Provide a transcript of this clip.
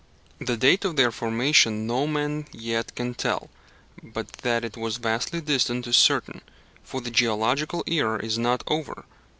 The date of their formation no man yet can tell, but that it was vastly distant is certain. For the geological era is not over.